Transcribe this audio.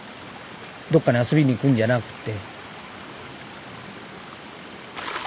どっかに遊びに行くんじゃなくて。